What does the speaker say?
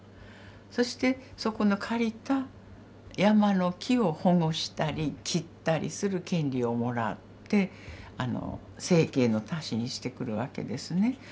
そしてそこの借りた山の木を保護したり切ったりする権利をもらって生計の足しにしてくるわけですね。